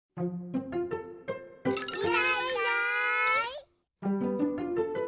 いないいない。